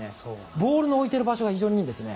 ボールの置いている場所が非常にいいんですね。